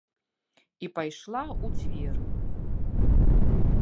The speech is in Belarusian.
І пайшла ў дзверы.